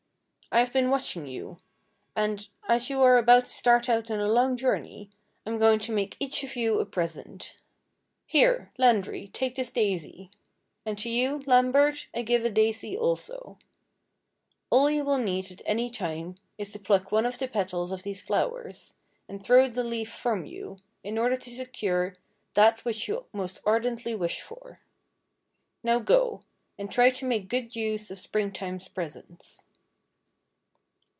I have been watching you ; and, as you are about to start out on a long journey, I am going to make each of you a pres 109 I IO THE FAIRY SPINNING WHEEL ent. Here, Landry, take this daisy; and to you, Lambert, I give a daisy also. All you will need at any time is to pluck one of the petals of these flowers, and throw the leaf from you, in order to secure that which you most ardently wish for. Now go, and try to make good use of Springtime's presents."